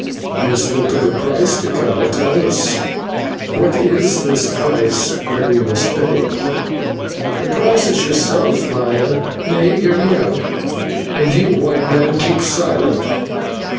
"You spoke of a price, Tikal; tell us, what is this price that we must pay?" "The price is yourself, Maya. Nay hear me out; and you, White Man, keep silent.